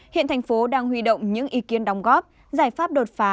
hiện thành phố đang huy động những ý kiến đóng góp giải pháp đột phá